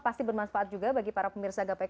pasti bermanfaat juga bagi para pemirsa gapai